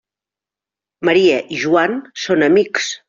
Maria i Joan són amics.